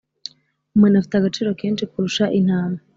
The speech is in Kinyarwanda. umuntu afite agaciro kenshi kurusha intama